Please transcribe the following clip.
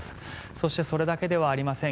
そしてそれだけではありません。